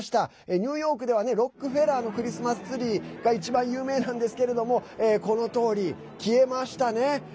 ニューヨークではねロックフェラーのクリスマスツリーが一番有名なんですけれどもこのとおり、消えましたね。